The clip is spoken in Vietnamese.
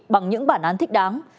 bằng những bản án thích đáng